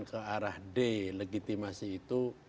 ke arah delegitimasi itu